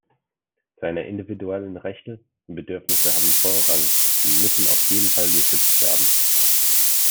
Seine individuellen Rechte und Bedürfnisse haben Vorrang und müssen auf jeden Fall geschützt werden.